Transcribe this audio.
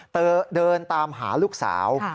เดินตามหาลูกสาว